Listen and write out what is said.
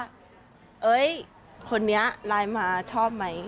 เฮ่ยคนนี้รายหมอชอบไหม